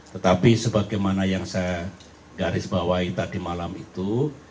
tetapi sebagaimana yang saya garisbawahi tadi malam itu